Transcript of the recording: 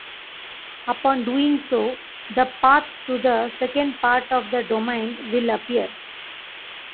Upon doing so, the path to the second part of the domain will appear.